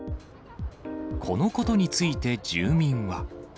このことについて、住民は。